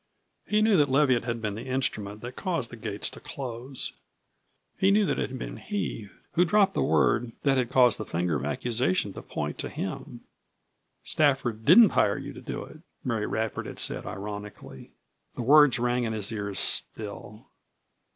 He knew that Leviatt had been the instrument that had caused the gates to close; he knew that it had been he who had dropped the word that had caused the finger of accusation to point to him. "Stafford didn't hire you to do it," Mary Radford had said, ironically. The words rang in his ears still.